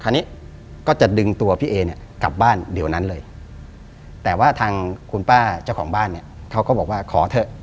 คราวนี้ก็จะดึงตัวพี่เอเนี่ยกลับบ้านเดี๋ยวนั้นเลยแต่ว่าทางคุณป้าเจ้าของบ้านเนี่ยเขาก็บอกว่าขอเถอะ